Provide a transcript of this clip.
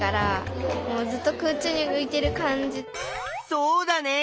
そうだね。